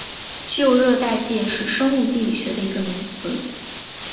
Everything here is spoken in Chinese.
旧热带界是生物地理学的一个名词。